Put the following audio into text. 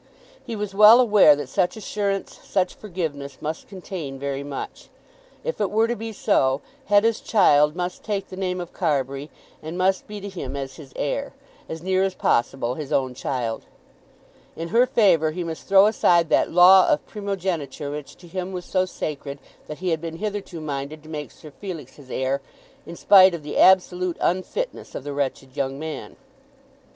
He was well aware that such assurance, such forgiveness, must contain very much. If it were to be so, Hetta's child must take the name of Carbury, and must be to him as his heir, as near as possible his own child. In her favour he must throw aside that law of primogeniture which to him was so sacred that he had been hitherto minded to make Sir Felix his heir in spite of the absolute unfitness of the wretched young man.